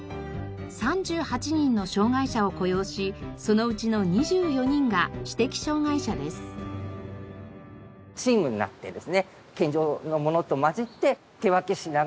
３８人の障がい者を雇用しそのうちの２４人が知的障がい者です。